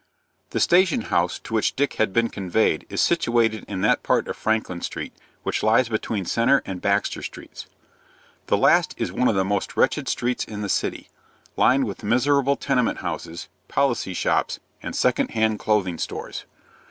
The station house to which Dick had been conveyed is situated in that part of Franklin Street which lies between Centre and Baxter Streets. The last is one of the most wretched streets in the city, lined with miserable tenement houses, policy shops, and second hand clothing stores.